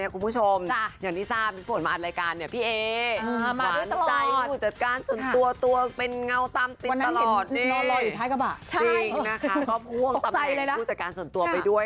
คุณผู้ชมอย่างที่ทราบพี่ฝนมาอัดรายการนี่พี่เอย์